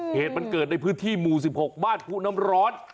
เหตุมันเกิดในพื้นที่หมู่๑๖บ้านผู้น้ำร้อน